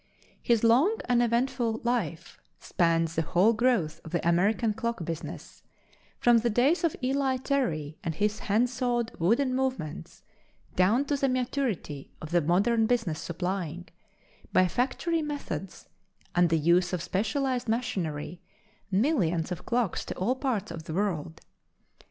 His long and eventful life spans the whole growth of the American clock business from the days of Eli Terry and his handsawed wooden movements down to the maturity of the modern business supplying, by factory methods and the use of specialized machinery, millions of clocks to all parts of the world.